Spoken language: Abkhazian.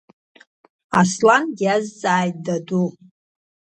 Аслан диазҵааит даду.